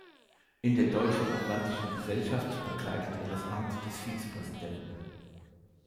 In der Deutschen Atlantischen Gesellschaft bekleidet er das Amt des Vizepräsidenten.